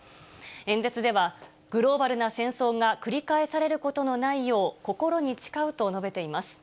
演説では、グローバルな戦争が繰り返されることのないよう、心に誓うと述べています。